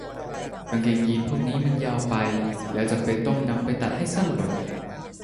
กางเกงยีนส์พวกนี้มันยาวไปและจำเป็นต้องนำไปตัดให้สั้นลง